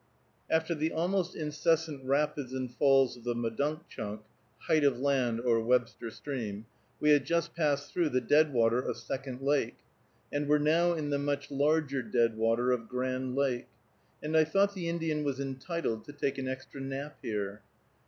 After the almost incessant rapids and falls of the Madunkchunk (Height of Land, or Webster Stream), we had just passed through the dead water of Second Lake, and were now in the much larger dead water of Grand Lake, and I thought the Indian was entitled to take an extra nap here.